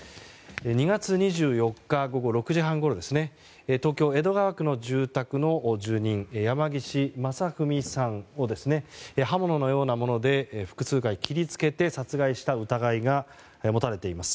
２月２４日、午後６時半ごろ東京・江戸川区の住宅の住人山岸正文さんを刃物のようなもので複数回切り付けて殺害した疑いが持たれています。